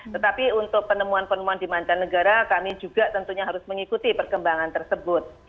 tetapi untuk penemuan penemuan di mancanegara kami juga tentunya harus mengikuti perkembangan tersebut